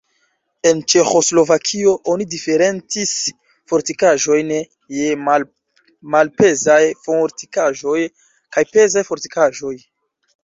En Ĉeĥoslovakio oni diferencis fortikaĵojn je malpezaj fortikaĵoj kaj pezaj fortikaĵoj.